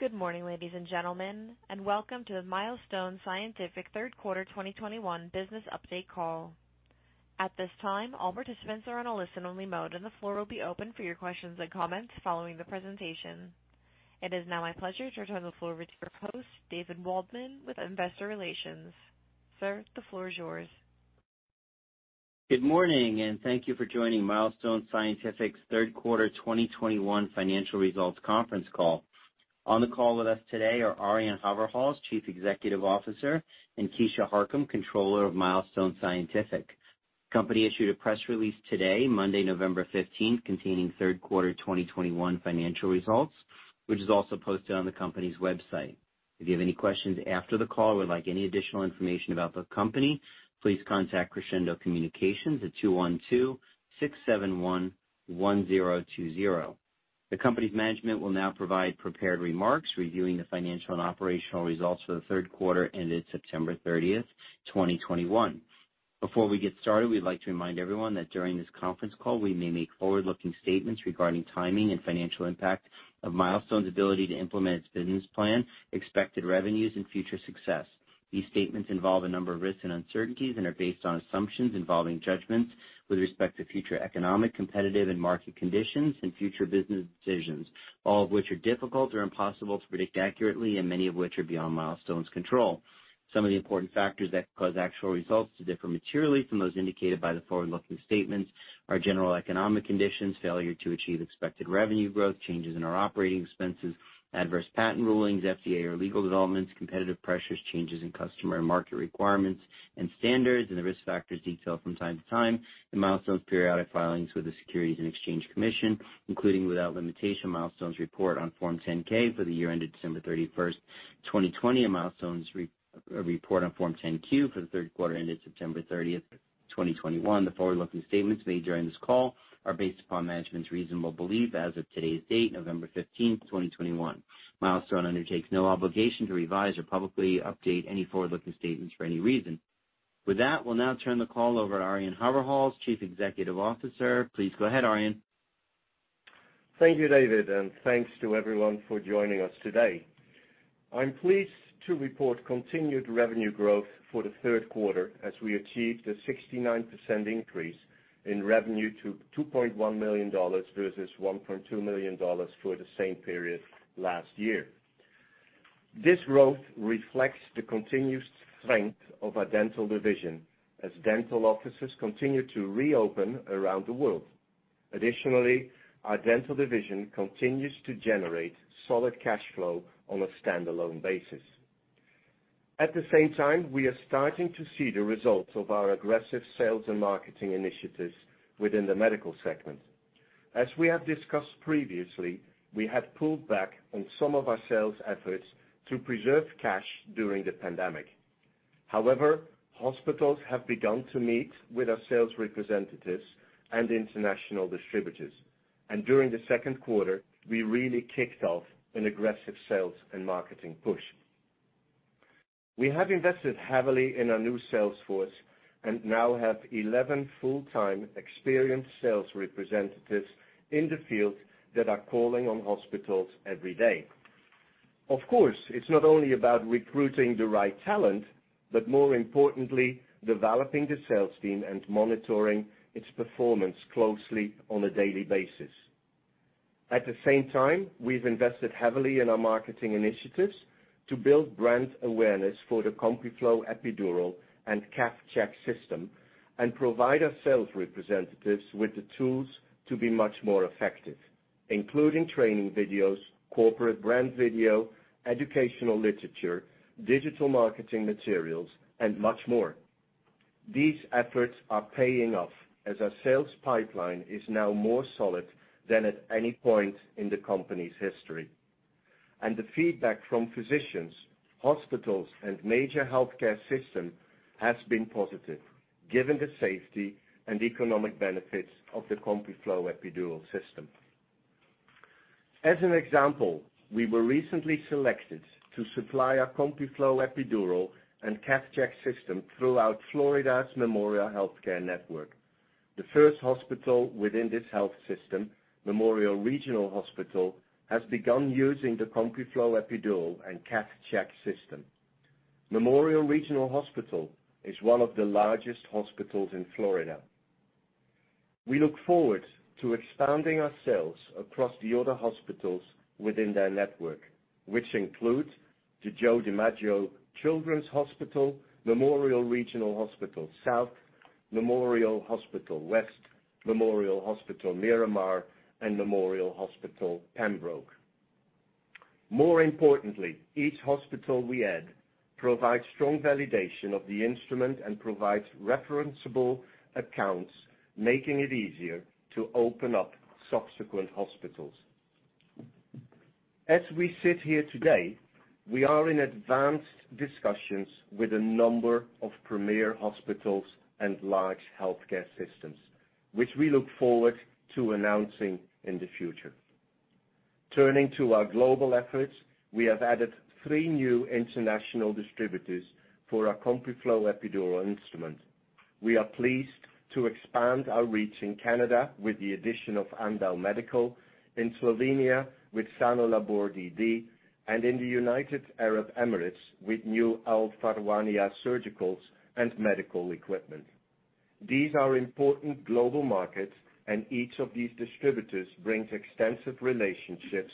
Good morning, ladies and gentlemen, and welcome to the Milestone Scientific third quarter 2021 business update call. At this time, all participants are on a listen-only mode, and the floor will be open for your questions and comments following the presentation. It is now my pleasure to turn the floor over to your host, David Waldman with Investor Relations. Sir, the floor is yours. Good morning, and thank you for joining Milestone Scientific's third quarter 2021 financial results conference call. On the call with us today are Arjan Haverhals, Chief Executive Officer, and Keisha Harcum, Controller of Milestone Scientific. Company issued a press release today, Monday, November 15th, containing third quarter 2021 financial results, which is also posted on the company's website. If you have any questions after the call or would like any additional information about the company, please contact Crescendo Communications at 212-671-1020. The company's management will now provide prepared remarks reviewing the financial and operational results for the third quarter ended September 30th, 2021. Before we get started, we'd like to remind everyone that during this conference call, we may make forward-looking statements regarding timing and financial impact of Milestone's ability to implement its business plan, expected revenues, and future success. These statements involve a number of risks and uncertainties and are based on assumptions involving judgments with respect to future economic, competitive, and market conditions and future business decisions, all of which are difficult or impossible to predict accurately, and many of which are beyond Milestone's control. Some of the important factors that could cause actual results to differ materially from those indicated by the forward-looking statements are general economic conditions, failure to achieve expected revenue growth, changes in our operating expenses, adverse patent rulings, FDA or legal developments, competitive pressures, changes in customer and market requirements and standards, and the risk factors detailed from time to time in Milestone's periodic filings with the Securities and Exchange Commission, including, without limitation, Milestone's report on Form 10-K for the year ended December 31st, 2020, and Milestone's report on Form 10-Q for the third quarter ended September 30th, 2021. The forward-looking statements made during this call are based upon management's reasonable belief as of today's date, November 15th, 2021. Milestone undertakes no obligation to revise or publicly update any forward-looking statements for any reason. With that, we'll now turn the call over to Arjan Haverhals, Chief Executive Officer. Please go ahead, Arjan. Thank you, David, and thanks to everyone for joining us today. I'm pleased to report continued revenue growth for the third quarter as we achieved a 69% increase in revenue to $2.1 million versus $1.2 million for the same period last year. This growth reflects the continuous strength of our dental division as dental offices continue to reopen around the world. Additionally, our dental division continues to generate solid cash flow on a standalone basis. At the same time, we are starting to see the results of our aggressive sales and marketing initiatives within the medical segment. As we have discussed previously, we have pulled back on some of our sales efforts to preserve cash during the pandemic. However, hospitals have begun to meet with our sales representatives and international distributors. During the second quarter, we really kicked off an aggressive sales and marketing push. We have invested heavily in our new sales force and now have 11 full-time experienced sales representatives in the field that are calling on hospitals every day. Of course, it's not only about recruiting the right talent, but more importantly, developing the sales team and monitoring its performance closely on a daily basis. At the same time, we've invested heavily in our marketing initiatives to build brand awareness for the CompuFlo Epidural and CathCheck system and provide our sales representatives with the tools to be much more effective, including training videos, corporate brand video, educational literature, digital marketing materials, and much more. These efforts are paying off as our sales pipeline is now more solid than at any point in the company's history. The feedback from physicians, hospitals, and major healthcare systems has been positive, given the safety and economic benefits of the CompuFlo Epidural system. As an example, we were recently selected to supply our CompuFlo Epidural and CathCheck system throughout Florida's Memorial Healthcare Network. The first hospital within this health system, Memorial Regional Hospital, has begun using the CompuFlo Epidural and CathCheck system. Memorial Regional Hospital is one of the largest hospitals in Florida. We look forward to expanding our sales across the other hospitals within their network, which include the Joe DiMaggio Children's Hospital, Memorial Regional Hospital South, Memorial Hospital West, Memorial Hospital Miramar, and Memorial Hospital Pembroke. More importantly, each hospital we add provides strong validation of the instrument and provides referenceable accounts, making it easier to open up subsequent hospitals. As we sit here today, we are in advanced discussions with a number of premier hospitals and large healthcare systems, which we look forward to announcing in the future. Turning to our global efforts, we have added three new international distributors for our CompuFlo Epidural instrument. We are pleased to expand our reach in Canada with the addition of Andau Medical, in Slovenia with Sanolabor d.d., and in the United Arab Emirates with New Al Farwaniya Surgicals & Medical Equipment. These are important global markets, and each of these distributors brings extensive relationships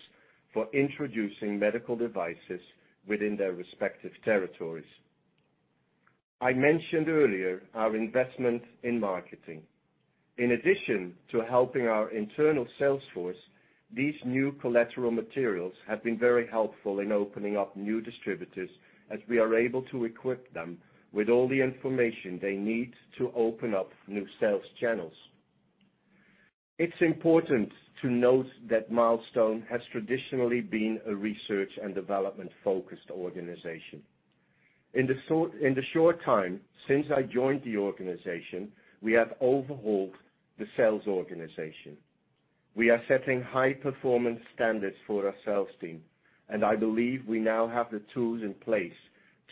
for introducing medical devices within their respective territories. I mentioned earlier our investment in marketing. In addition to helping our internal sales force, these new collateral materials have been very helpful in opening up new distributors as we are able to equip them with all the information they need to open up new sales channels. It's important to note that Milestone has traditionally been a research and development-focused organization. In the short time since I joined the organization, we have overhauled the sales organization. We are setting high-performance standards for our sales team, and I believe we now have the tools in place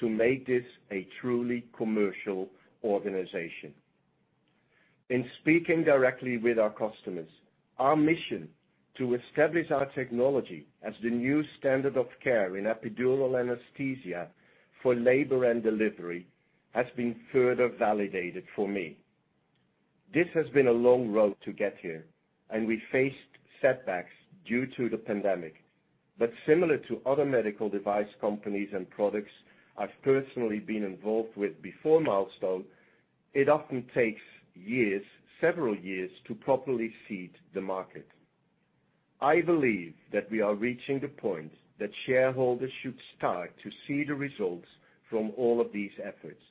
to make this a truly commercial organization. In speaking directly with our customers, our mission to establish our technology as the new standard of care in epidural anesthesia for labor and delivery has been further validated for me. This has been a long road to get here, and we faced setbacks due to the pandemic. Similar to other medical device companies and products I've personally been involved with before Milestone, it often takes years, several years to properly seed the market. I believe that we are reaching the point that shareholders should start to see the results from all of these efforts,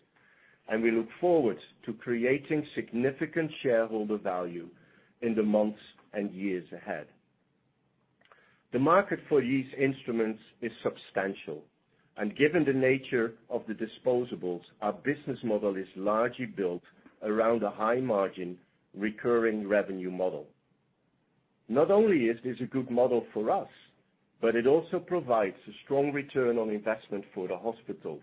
and we look forward to creating significant shareholder value in the months and years ahead. The market for these instruments is substantial, and given the nature of the disposables, our business model is largely built around a high-margin recurring revenue model. Not only is this a good model for us, but it also provides a strong return on investment for the hospital,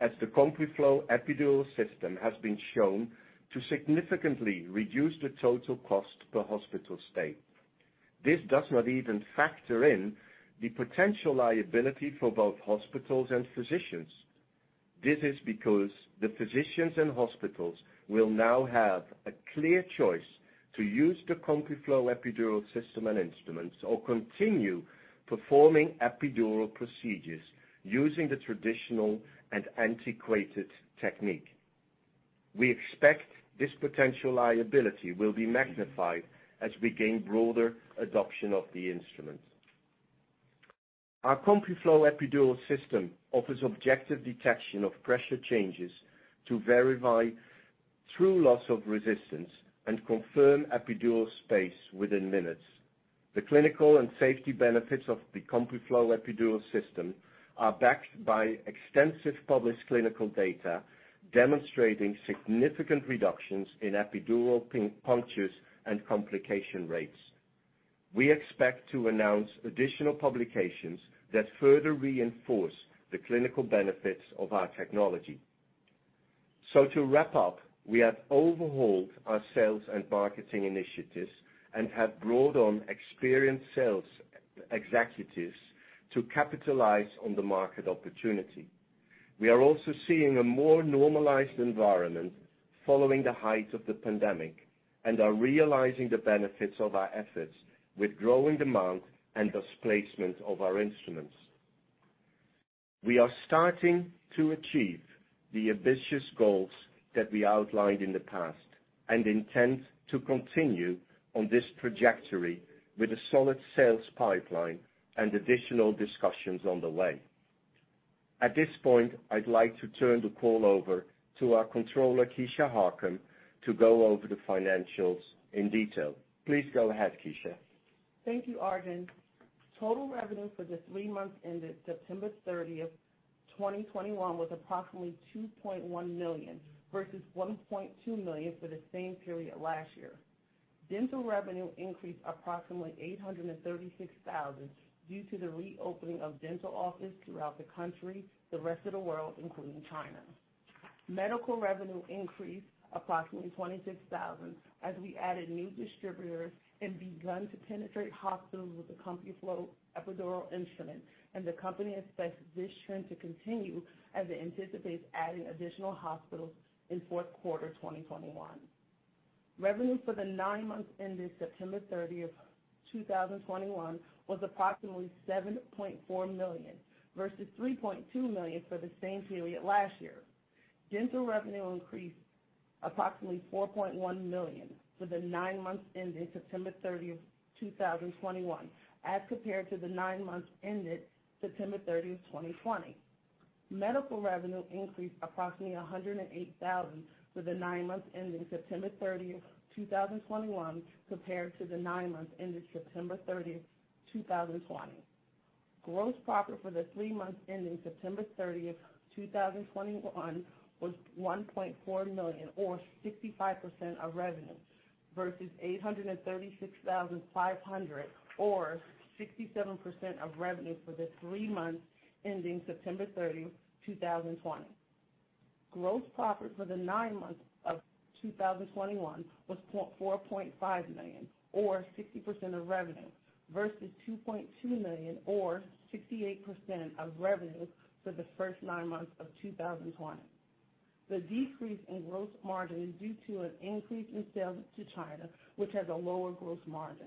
as the CompuFlo Epidural system has been shown to significantly reduce the total cost per hospital stay. This does not even factor in the potential liability for both hospitals and physicians. This is because the physicians and hospitals will now have a clear choice to use the CompuFlo Epidural system and instruments or continue performing epidural procedures using the traditional and antiquated technique. We expect this potential liability will be magnified as we gain broader adoption of the instrument. Our CompuFlo Epidural system offers objective detection of pressure changes to verify true loss of resistance and confirm epidural space within minutes. The clinical and safety benefits of the CompuFlo Epidural system are backed by extensive published clinical data demonstrating significant reductions in epidural pin punctures and complication rates. We expect to announce additional publications that further reinforce the clinical benefits of our technology. To wrap up, we have overhauled our sales and marketing initiatives and have brought on experienced sales executives to capitalize on the market opportunity. We are also seeing a more normalized environment following the height of the pandemic and are realizing the benefits of our efforts with growing demand and displacement of our instruments. We are starting to achieve the ambitious goals that we outlined in the past and intend to continue on this trajectory with a solid sales pipeline and additional discussions on the way. At this point, I'd like to turn the call over to our Controller, Keisha Harcum, to go over the financials in detail. Please go ahead, Keisha. Thank you, Arjan. Total revenue for the three months ended September 30th, 2021 was approximately $2.1 million versus $1.2 million for the same period last year. Dental revenue increased approximately $836 thousand due to the reopening of dental offices throughout the country, the rest of the world, including China. Medical revenue increased approximately $26,000 as we added new distributors and begun to penetrate hospitals with the CompuFlo Epidural instrument, and the company expects this trend to continue as it anticipates adding additional hospitals in fourth quarter 2021. Revenue for the nine months ended September 30, 2021 was approximately $7.4 million versus $3.2 million for the same period last year. Dental revenue increased approximately $4.1 million for the nine months ended September 30, 2021 as compared to the nine months ended September 30th, 2020. Medical revenue increased approximately $108,000 for the nine months ending September 30th, 2021 compared to the nine months ended September 30th, 2020. Gross profit for the three months ending September 30th, 2021 was $1.4 million or 65% of revenue. Versus $836,500 or 67% of revenue for the three months ending September 30th, 2020. Gross profit for the nine months of 2021 was $4.5 million or 60% of revenue, versus $2.2 million or 68% of revenue for the first nine months of 2020. The decrease in gross margin is due to an increase in sales to China, which has a lower gross margin.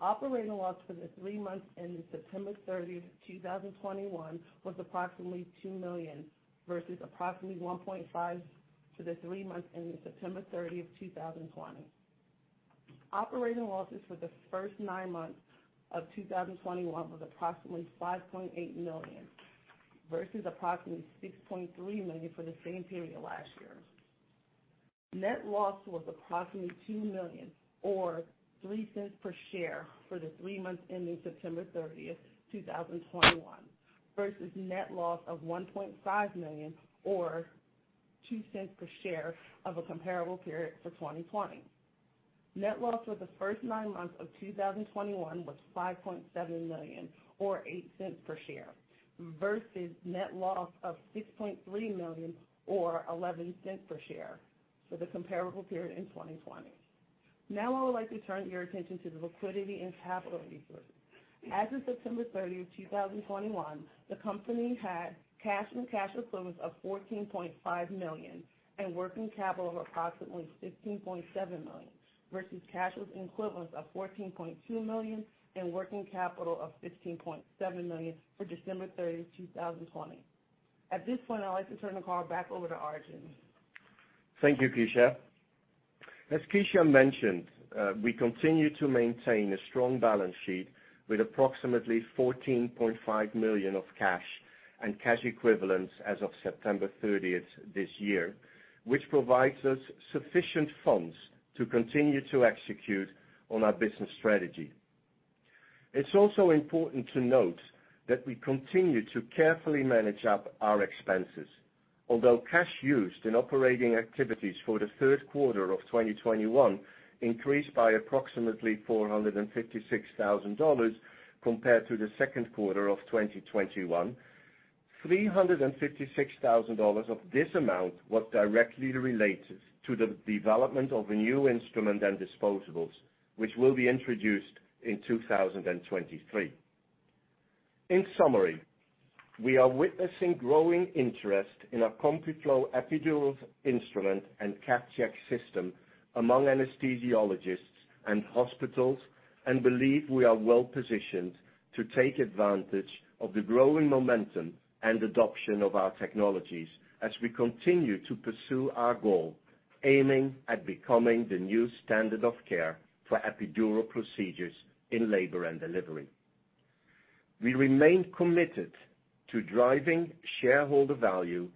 Operating loss for the three months ending September 30th, 2021 was approximately $2 million versus approximately $1.5 million for the three months ending September 30th, 2020. Operating losses for the first nine months of 2021 was approximately $5.8 million versus approximately $6.3 million for the same period last year. Net loss was approximately $2 million or $0.03 per share for the three months ending September 30th, 2021 versus net loss of $1.5 million or $0.02 per share of a comparable period for 2020. Net loss for the first nine months of 2021 was $5.7 million or $0.08 per share versus net loss of $6.3 million or $0.11 per share for the comparable period in 2020. Now I would like to turn your attention to the liquidity and capital resources. As of September 30th, 2021, the company had cash and cash equivalents of $14.5 million and working capital of approximately $15.7 million, versus cash and equivalents of $14.2 million and working capital of $15.7 million for December 30th, 2020. At this point, I'd like to turn the call back over to Arjan. Thank you, Keisha. As Keisha mentioned, we continue to maintain a strong balance sheet with approximately $14.5 million of cash and cash equivalents as of September 30th this year, which provides us sufficient funds to continue to execute on our business strategy. It's also important to note that we continue to carefully manage our expenses. Although cash used in operating activities for the third quarter of 2021 increased by approximately $456,000 compared to the second quarter of 2021, $356,000 of this amount was directly related to the development of a new instrument and disposables, which will be introduced in 2023. In summary, we are witnessing growing interest in our CompuFlo epidural instrument and CathCheck system among anesthesiologists and hospitals, and believe we are well-positioned to take advantage of the growing momentum and adoption of our technologies as we continue to pursue our goal, aiming at becoming the new standard of care for epidural procedures in labor and delivery. We remain committed to driving shareholder value.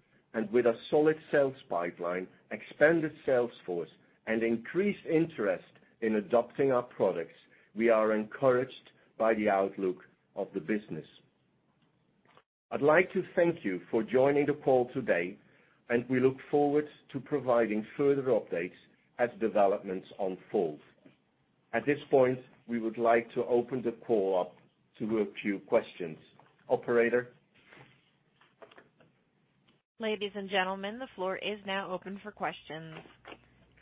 With a solid sales pipeline, expanded sales force, and increased interest in adopting our products, we are encouraged by the outlook of the business. I'd like to thank you for joining the call today, and we look forward to providing further updates as developments unfold. At this point, we would like to open the call up to a few questions. Operator? Ladies and gentlemen, the floor is now open for questions.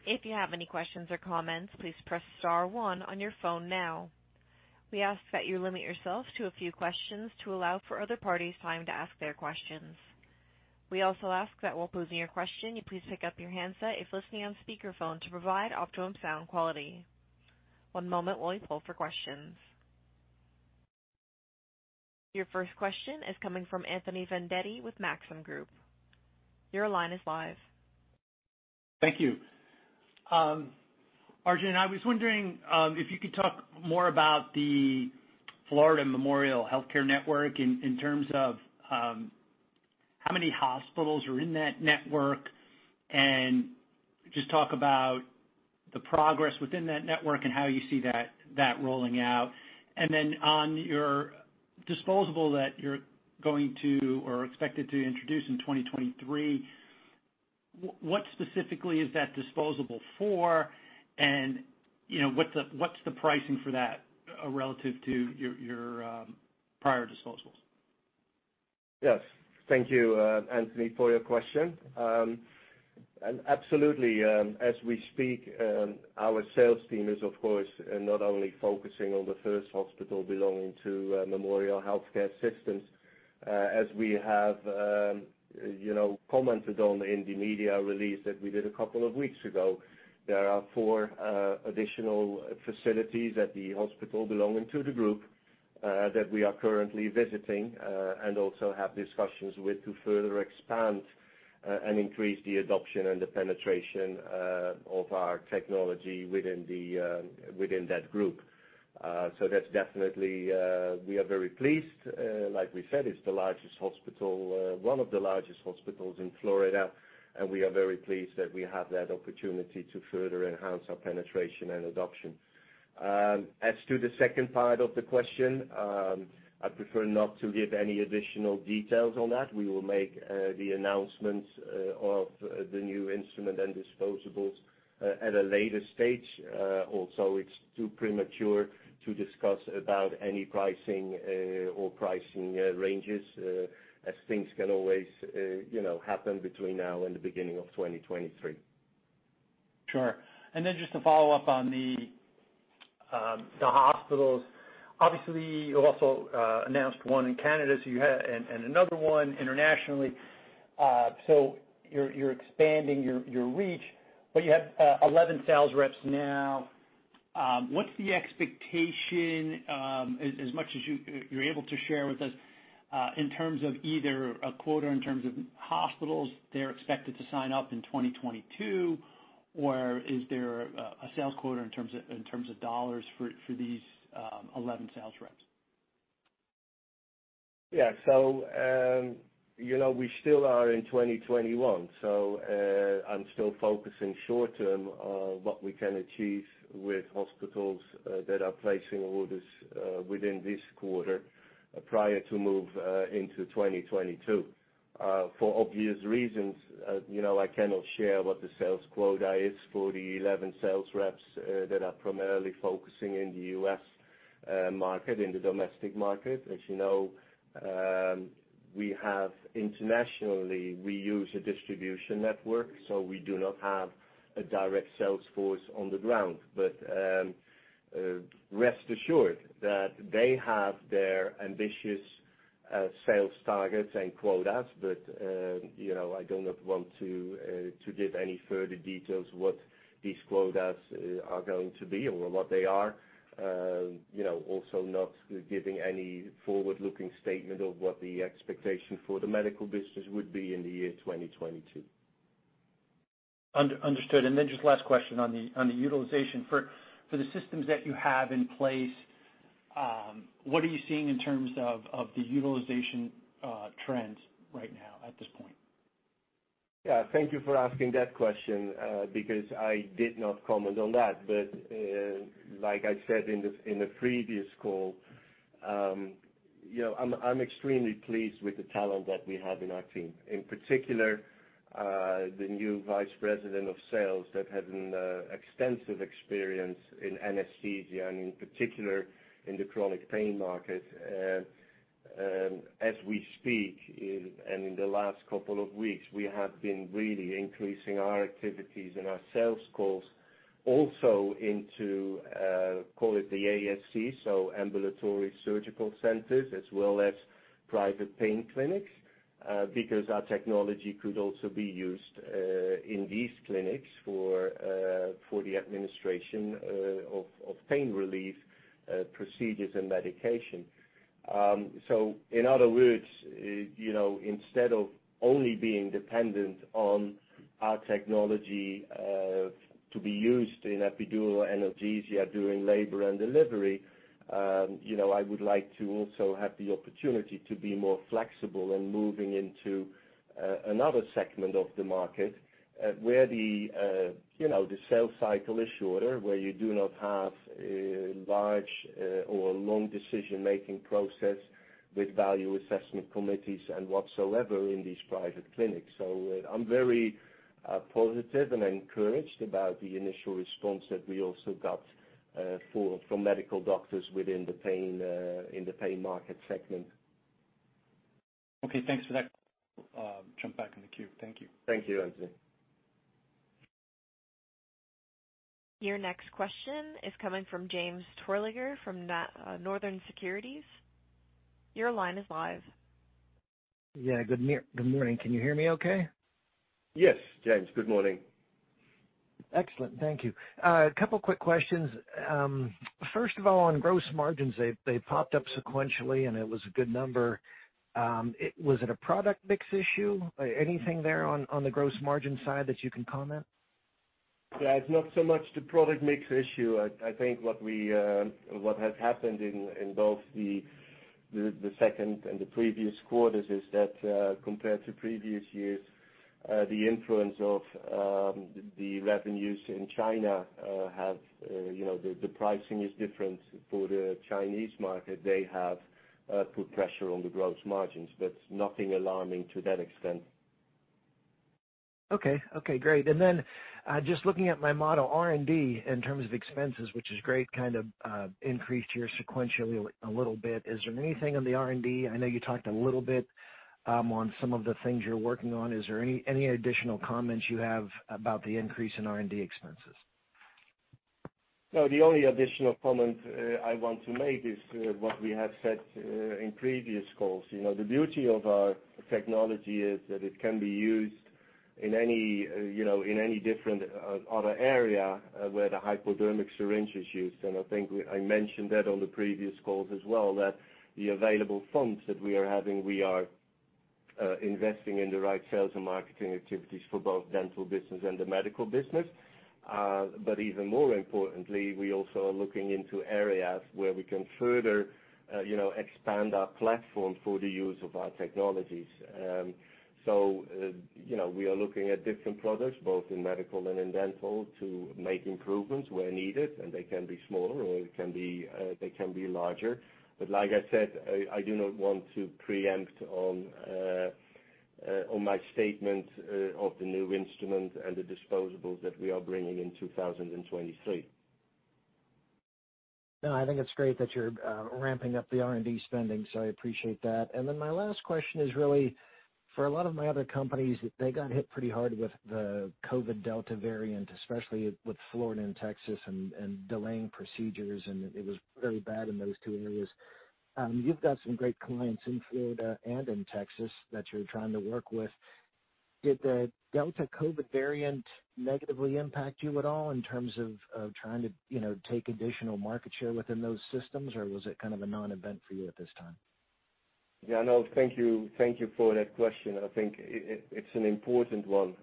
If you have any questions or comments, please press star one on your phone now. We ask that you limit yourself to a few questions to allow for other parties time to ask their questions. We also ask that while posing your question, you please pick up your handset if listening on speakerphone to provide optimum sound quality. One moment while we poll for questions. Your first question is coming from Anthony Vendetti with Maxim Group. Your line is live. Thank you. Arjan, I was wondering if you could talk more about the Memorial Healthcare Network in terms of how many hospitals are in that network. Just talk about the progress within that network and how you see that rolling out. Then on your disposable that you're going to or expected to introduce in 2023, what specifically is that disposable for? You know, what's the pricing for that relative to your prior disposables? Yes. Thank you, Anthony, for your question. Absolutely, as we speak, our sales team is of course not only focusing on the first hospital belonging to Memorial Healthcare System. As we have, you know, commented on in the media release that we did a couple of weeks ago, there are four additional facilities, the hospitals belonging to the group that we are currently visiting and also have discussions with to further expand and increase the adoption and the penetration of our technology within that group. That's definitely. We are very pleased. Like we said, it's the largest hospital, one of the largest hospitals in Florida, and we are very pleased that we have that opportunity to further enhance our penetration and adoption. As to the second part of the question, I prefer not to give any additional details on that. We will make the announcements of the new instrument and disposables at a later stage. Also it's too premature to discuss about any pricing or pricing ranges as things can always, you know, happen between now and the beginning of 2023. Sure. Just to follow up on the hospitals. Obviously, you also announced one in Canada, and another one internationally. You're expanding your reach, but you have 11 sales reps now. What's the expectation, as much as you're able to share with us, in terms of either a quota in terms of hospitals they're expected to sign up in 2022? Or is there a sales quota in terms of dollars for these 11 sales reps? Yeah. You know, we still are in 2021, so, I'm still focusing short term on what we can achieve with hospitals, that are placing orders, within this quarter prior to move, into 2022. For obvious reasons, you know, I cannot share what the sales quota is for the 11 sales reps, that are primarily focusing in the U.S. market, in the domestic market. As you know, we have internationally, we use a distribution network, so we do not have a direct sales force on the ground. Rest assured that they have their ambitious sales targets and quotas. You know, I do not want to give any further details what these quotas are going to be or what they are. You know, also not giving any forward-looking statement of what the expectation for the medical business would be in the year 2022. Understood. Just last question on the utilization. For the systems that you have in place, what are you seeing in terms of the utilization trends right now at this point? Yeah. Thank you for asking that question, because I did not comment on that. Like I said in the previous call, you know, I'm extremely pleased with the talent that we have in our team, in particular, the new Vice President of Sales that has an extensive experience in anesthesia and in particular in the chronic pain market. As we speak, and in the last couple of weeks, we have been really increasing our activities and our sales calls also into, call it the ASC, so ambulatory surgical centers, as well as private pain clinics, because our technology could also be used in these clinics for the administration of pain relief procedures and medication. In other words, you know, instead of only being dependent on our technology to be used in epidural analgesia during labor and delivery, you know, I would like to also have the opportunity to be more flexible in moving into another segment of the market where the sales cycle is shorter, where you do not have a large or long decision-making process with value assessment committees and whatsoever in these private clinics. I'm very positive and encouraged about the initial response that we also got from medical doctors within the pain market segment. Okay, thanks for that. Jump back in the queue. Thank you. Thank you, Anthony. Your next question is coming from James Terwilliger from Northland Securities. Your line is live. Yeah. Good morning. Can you hear me okay? Yes, James. Good morning. Excellent. Thank you. A couple quick questions. First of all, on gross margins, they popped up sequentially, and it was a good number. Was it a product mix issue? Anything there on the gross margin side that you can comment? Yeah. It's not so much the product mix issue. I think what has happened in both the second and the previous quarters is that, compared to previous years, the influence of the revenues in China have you know the pricing is different for the Chinese market. They have put pressure on the gross margins, but nothing alarming to that extent. Okay. Okay, great. Just looking at my model R&D in terms of expenses, which is great, kind of, increased here sequentially a little bit. Is there anything on the R&D? I know you talked a little bit, on some of the things you're working on. Is there any additional comments you have about the increase in R&D expenses? No, the only additional comment I want to make is what we have said in previous calls. You know, the beauty of our technology is that it can be used in any, you know, in any different other area where the hypodermic syringe is used. I think I mentioned that on the previous calls as well, that the available funds that we are having, we are investing in the right sales and marketing activities for both dental business and the medical business. Even more importantly, we also are looking into areas where we can further, you know, expand our platform for the use of our technologies. You know, we are looking at different products, both in medical and in dental, to make improvements where needed, and they can be small or they can be larger. Like I said, I do not want to preempt on my statement of the new instrument and the disposables that we are bringing in 2023. No, I think it's great that you're ramping up the R&D spending, so I appreciate that. My last question is really for a lot of my other companies, they got hit pretty hard with the COVID Delta variant, especially with Florida and Texas and delaying procedures, and it was very bad in those two areas. You've got some great clients in Florida and in Texas that you're trying to work with. Did the Delta variant negatively impact you at all in terms of trying to, you know, take additional market share within those systems, or was it kind of a non-event for you at this time? Yeah, no, thank you. Thank you for that question. I think it's an important one.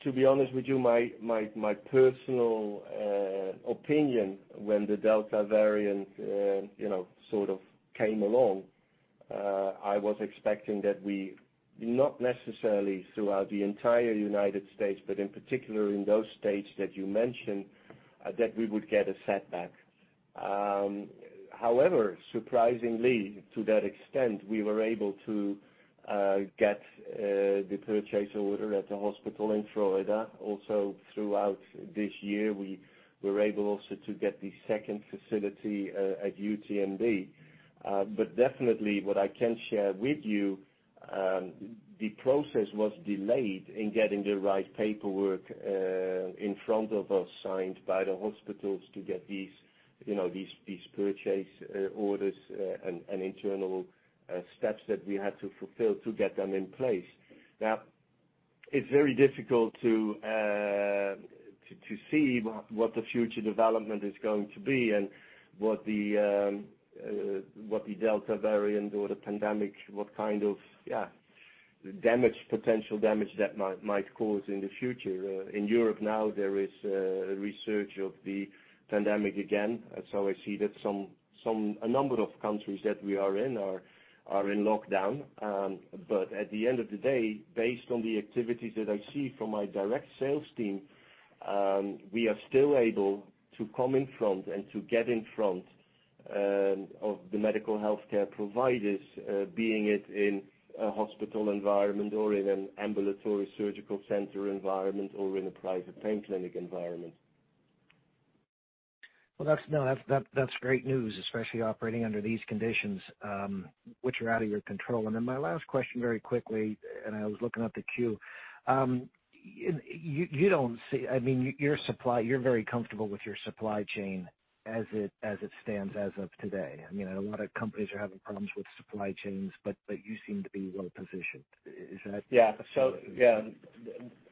To be honest with you, my personal opinion when the Delta variant, you know, sort of came along, I was expecting that we, not necessarily throughout the entire United States, but in particular in those states that you mentioned, that we would get a setback. However, surprisingly, to that extent, we were able to get the purchase order at the hospital in Florida. Also, throughout this year, we were able also to get the second facility at UTMB. Definitely what I can share with you, the process was delayed in getting the right paperwork in front of us, signed by the hospitals to get these, you know, purchase orders, and internal steps that we had to fulfill to get them in place. Now, it's very difficult to see what the future development is going to be and what the Delta variant or the pandemic, what kind of damage, potential damage that might cause in the future. In Europe now, there is resurgence of the pandemic again. I see that a number of countries that we are in are in lockdown. At the end of the day, based on the activities that I see from my direct sales team, we are still able to come in front and to get in front of the medical healthcare providers, be it in a hospital environment or in an ambulatory surgical center environment or in a private pain clinic environment. Well, that's great news, especially operating under these conditions, which are out of your control. My last question very quickly. I was looking at the queue. I mean, you're very comfortable with your supply chain as it stands as of today. I mean, a lot of companies are having problems with supply chains, but you seem to be well-positioned. Is that. Yeah. Yeah,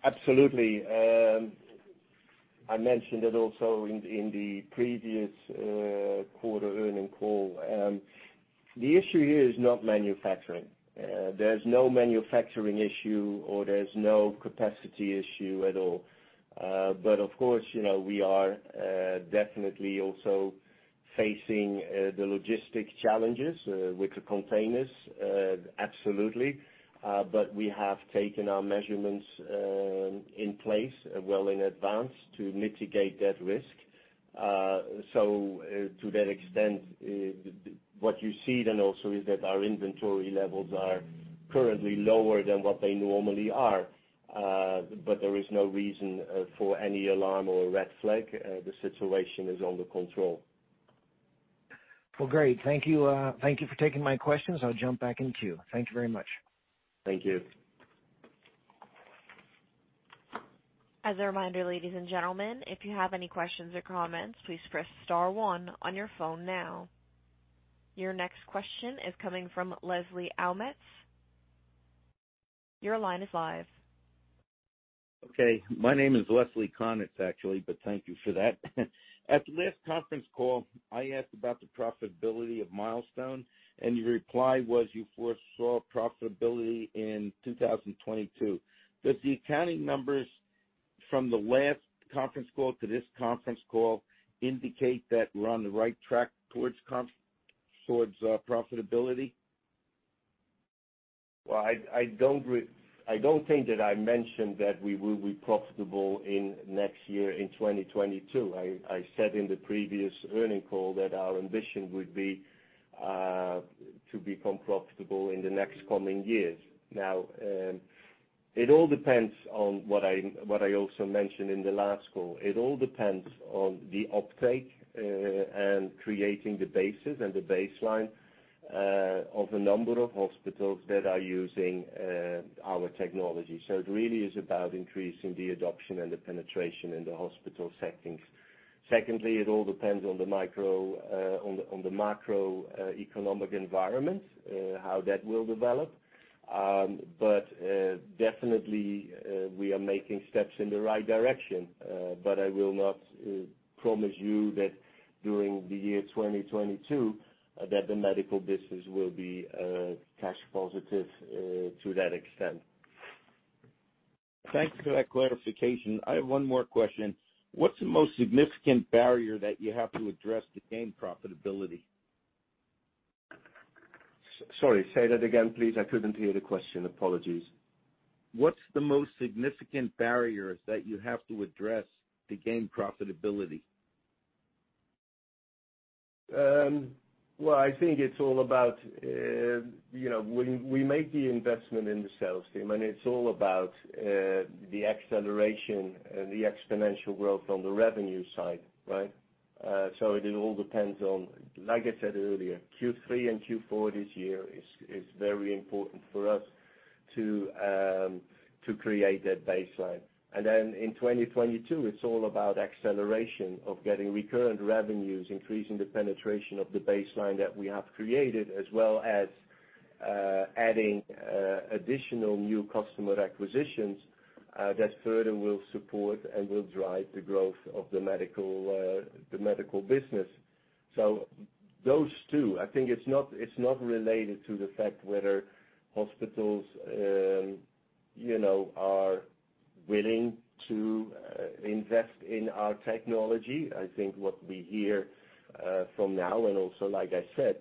absolutely. I mentioned it also in the previous quarter earnings call. The issue here is not manufacturing. There's no manufacturing issue or there's no capacity issue at all. Of course, you know, we are definitely also facing the logistics challenges with the containers, absolutely. We have taken our measures in place well in advance to mitigate that risk. To that extent, what you see then also is that our inventory levels are currently lower than what they normally are. There is no reason for any alarm or a red flag. The situation is under control. Well, great. Thank you. Thank you for taking my questions. I'll jump back in queue. Thank you very much. Thank you. As a reminder, ladies and gentlemen, if you have any questions or comments, please press star one on your phone now. Your next question is coming from Leslie [Caunet]. Your line is live. Okay. My name is [Leslie Caunet], actually, but thank you for that. At the last conference call, I asked about the profitability of Milestone, and your reply was you foresaw profitability in 2022. Does the accounting numbers from the last conference call to this conference call indicate that we're on the right track towards profitability? I don't think that I mentioned that we will be profitable next year in 2022. I said in the previous earnings call that our ambition would be to become profitable in the next coming years. Now, it all depends on what I also mentioned in the last call. It all depends on the uptake and creating the basis and the baseline of the number of hospitals that are using our technology. It really is about increasing the adoption and the penetration in the hospital settings. Secondly, it all depends on the macro economic environment, how that will develop. Definitely, we are making steps in the right direction. I will not promise you that during the year 2022, that the medical business will be cash positive to that extent. Thanks for that clarification. I have one more question. What's the most significant barrier that you have to address to gain profitability? Sorry, say that again, please. I couldn't hear the question. Apologies. What's the most significant barriers that you have to address to gain profitability? Well, I think it's all about, you know, when we make the investment in the sales team, and it's all about, the acceleration, the exponential growth on the revenue side, right? It all depends on, like I said earlier, Q3 and Q4 this year is very important for us to create that baseline. In 2022, it's all about acceleration of getting recurrent revenues, increasing the penetration of the baseline that we have created, as well as, adding additional new customer acquisitions, that further will support and will drive the growth of the medical business. Those two, I think, it's not related to the fact whether hospitals, you know, are willing to invest in our technology. I think what we hear from now and also like I said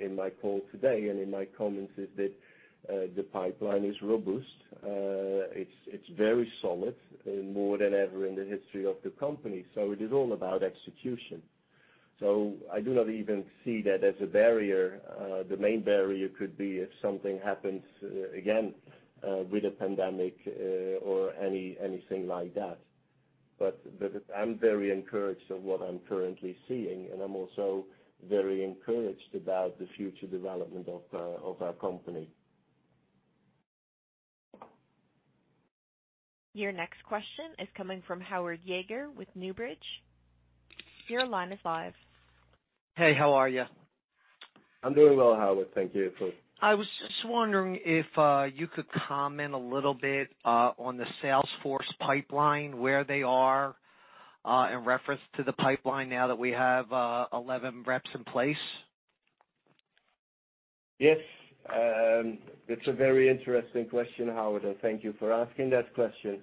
in my call today and in my comments is that the pipeline is robust. It's very solid, more than ever in the history of the company. It is all about execution. I do not even see that as a barrier. The main barrier could be if something happens again with the pandemic or anything like that. I'm very encouraged of what I'm currently seeing, and I'm also very encouraged about the future development of our company. Your next question is coming from Howard Yeager with Newbridge. Your line is live. Hey, how are you? I'm doing well, Howard. Thank you for. I was just wondering if you could comment a little bit on the sales force pipeline, where they are in reference to the pipeline now that we have 11 reps in place? Yes. That's a very interesting question, Howard, and thank you for asking that question.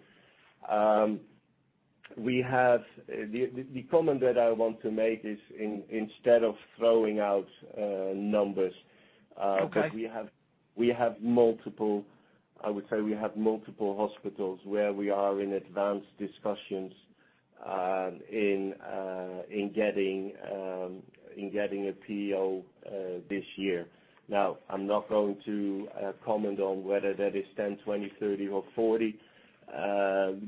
We have the comment that I want to make is instead of throwing out numbers. Okay We have multiple, I would say we have multiple hospitals where we are in advanced discussions in getting a PO this year. Now, I'm not going to comment on whether that is 10, 20, 30 or 40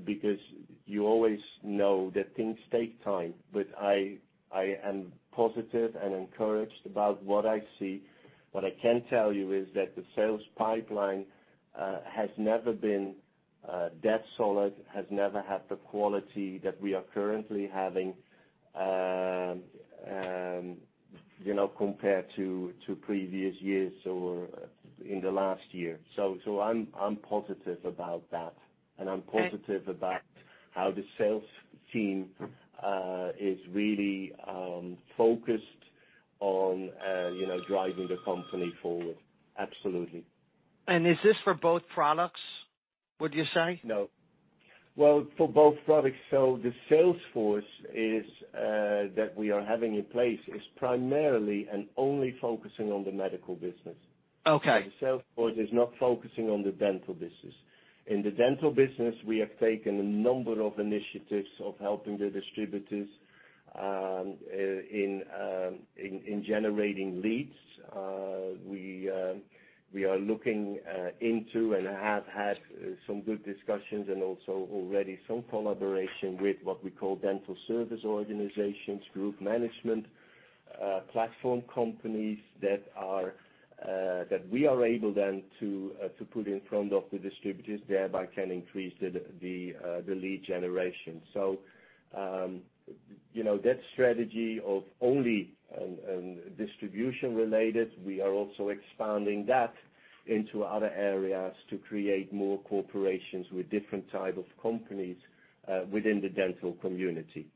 because you always know that things take time. I am positive and encouraged about what I see. What I can tell you is that the sales pipeline has never been that solid, has never had the quality that we are currently having you know compared to previous years or in the last year. I'm positive about that. Okay. I'm positive about how the sales team is really focused on, you know, driving the company forward. Absolutely. Is this for both products, would you say? No. Well, for both products. The sales force that we are having in place is primarily and only focusing on the medical business. Okay. The sales force is not focusing on the dental business. In the dental business, we have taken a number of initiatives of helping the distributors in generating leads. We are looking into and have had some good discussions and also already some collaboration with what we call dental service organizations, group management platform companies that we are able then to put in front of the distributors, thereby can increase the lead generation. You know, that strategy of only distribution-related, we are also expanding that into other areas to create more collaborations with different type of companies within the dental community.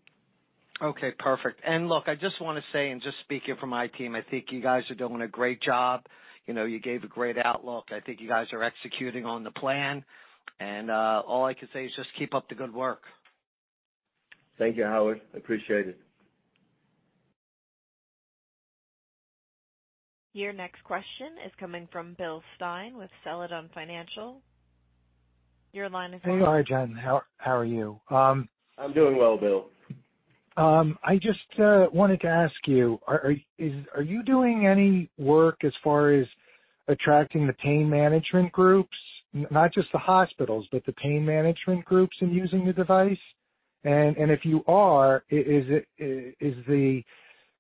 Okay, perfect. Look, I just wanna say and just speaking for my team, I think you guys are doing a great job. You know, you gave a great outlook. I think you guys are executing on the plan. All I can say is just keep up the good work. Thank you, Howard. I appreciate it. Your next question is coming from Bill Stein with Celadon Financial. Your line is open. Hey. Hi, Arjan. How are you? I'm doing well, Bill. I just wanted to ask you, are you doing any work as far as attracting the pain management groups? Not just the hospitals, but the pain management groups in using the device. If you are, is it the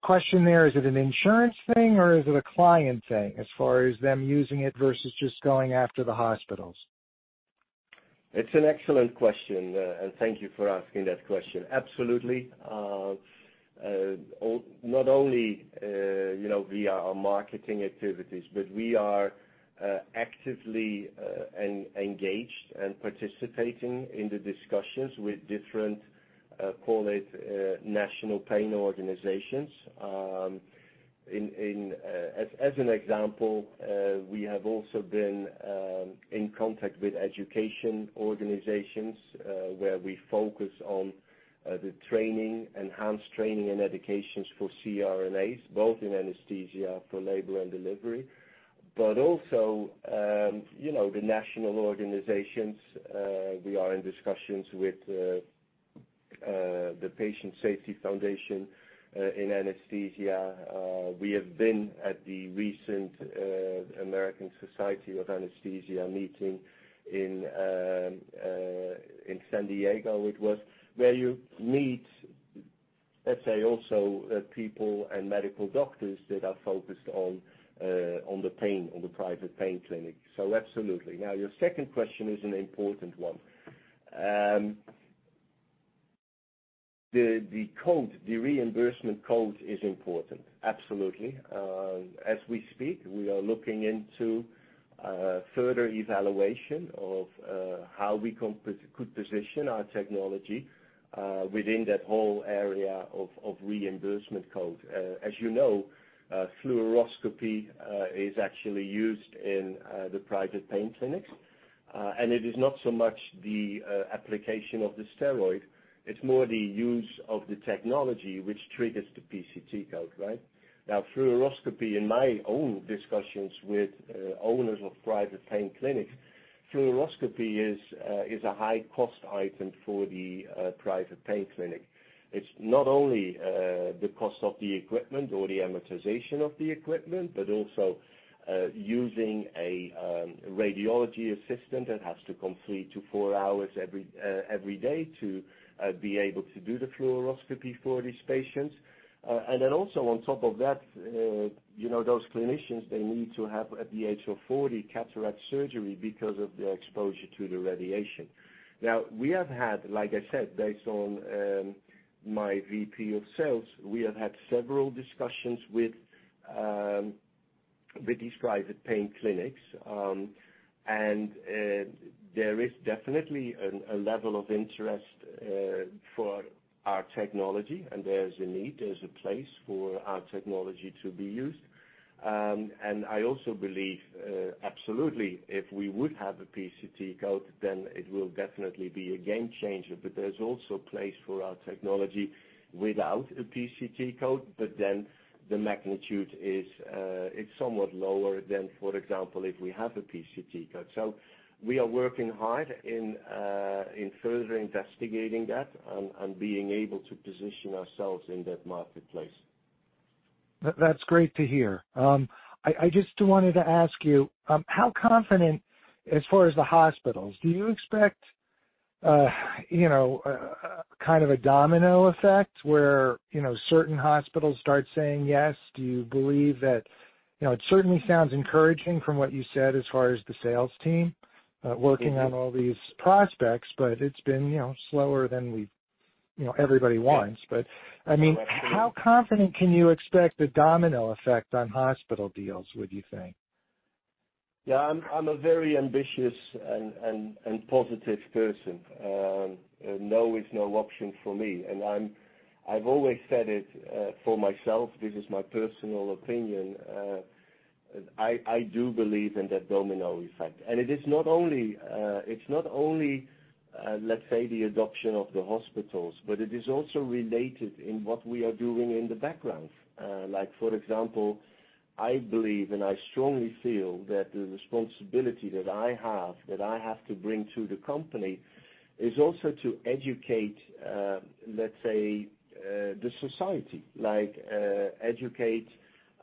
question there, is it an insurance thing or is it a client thing as far as them using it versus just going after the hospitals? It's an excellent question. Thank you for asking that question. Absolutely. Not only, you know, via our marketing activities, but we are actively engaged and participating in the discussions with different, call it, national pain organizations. As an example, we have also been in contact with education organizations, where we focus on the training, enhanced training and educations for CRNAs, both in anesthesia for labor and delivery. Also, you know, the national organizations, we are in discussions with the Anesthesia Patient Safety Foundation. We have been at the recent American Society of Anesthesiologists meeting in San Diego. It was where you meet, let's say, also, people and medical doctors that are focused on the pain, on the private pain clinic. Absolutely. Now, your second question is an important one. The code, the reimbursement code is important. Absolutely. As we speak, we are looking into further evaluation of how we could position our technology within that whole area of reimbursement code. As you know, fluoroscopy is actually used in the private pain clinics. It is not so much the application of the steroid, it's more the use of the technology which triggers the CPT code, right? Now, fluoroscopy, in my own discussions with owners of private pain clinics, fluoroscopy is a high cost item for the private pain clinic. It's not only the cost of the equipment or the amortization of the equipment, but also using a radiology assistant that has to come three-four hours every day to be able to do the fluoroscopy for these patients. Then also on top of that, you know, those clinicians, they need to have, at the age of 40, cataract surgery because of their exposure to the radiation. Now, we have had, like I said, based on my VP of sales, we have had several discussions with these private pain clinics. There is definitely a level of interest for our technology. There's a need, there's a place for our technology to be used. I also believe absolutely, if we would have a CPT code, then it will definitely be a game changer. There's also a place for our technology without a CPT code, but then the magnitude is somewhat lower than, for example, if we have a CPT code. We are working hard in further investigating that and being able to position ourselves in that marketplace. That's great to hear. I just wanted to ask you, how confident as far as the hospitals, do you expect, you know, kind of a domino effect where, you know, certain hospitals start saying yes? Do you believe that? You know, it certainly sounds encouraging from what you said as far as the sales team, working on all these prospects, but it's been, you know, slower than you know, everybody wants. I mean, how confident can you expect a domino effect on hospital deals, would you think? Yeah, I'm a very ambitious and positive person. No is no option for me. I've always said it, for myself, this is my personal opinion. I do believe in that domino effect. It is not only let's say, the adoption of the hospitals, but it is also related in what we are doing in the background. Like, for example, I believe and I strongly feel that the responsibility I have to bring to the company is also to educate, let's say, the society. Like, educate,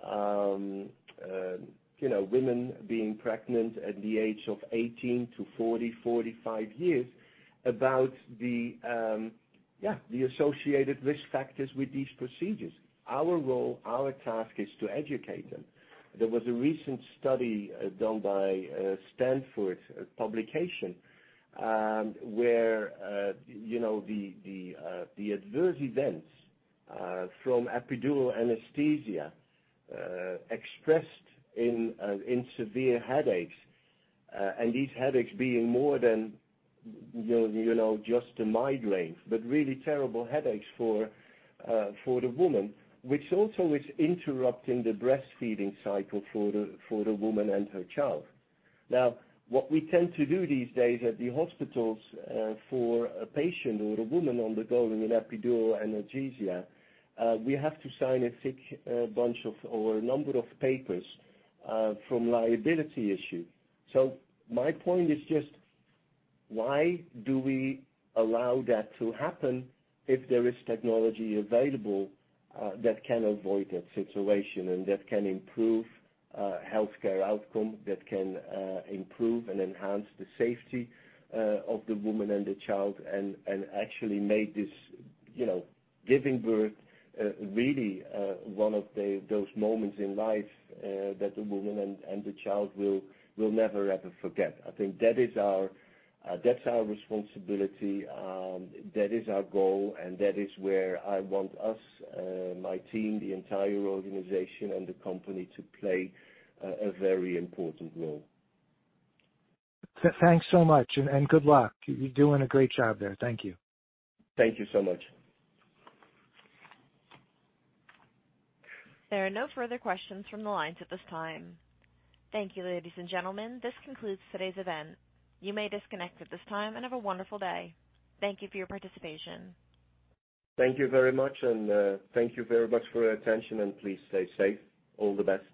you know, women being pregnant at the age of 18 to 40-45 years about the associated risk factors with these procedures. Our role, our task is to educate them. There was a recent study done by a Stanford publication, where you know the adverse events from epidural anesthesia expressed in severe headaches. These headaches being more than you know just a migraine, but really terrible headaches for the woman, which also is interrupting the breastfeeding cycle for the woman and her child. Now, what we tend to do these days at the hospitals for a patient or a woman undergoing an epidural analgesia, we have to sign a thick bunch of or a number of papers from liability issue. My point is just why do we allow that to happen if there is technology available, that can avoid that situation and that can improve, healthcare outcome, that can, improve and enhance the safety, of the woman and the child, and actually make this, you know, giving birth, really, one of those moments in life, that the woman and the child will never, ever forget? I think that is our, that's our responsibility, that is our goal, and that is where I want us, my team, the entire organization and the company to play a very important role. Thanks so much and good luck. You're doing a great job there. Thank you. Thank you so much. There are no further questions from the lines at this time. Thank you, ladies and gentlemen. This concludes today's event. You may disconnect at this time, and have a wonderful day. Thank you for your participation. Thank you very much. Thank you very much for your attention, and please stay safe. All the best.